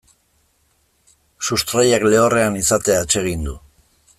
Sustraiak lehorrean izatea atsegin du.